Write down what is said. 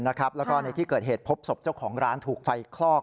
แล้วก็ในที่เกิดเหตุพบศพเจ้าของร้านถูกไฟคลอก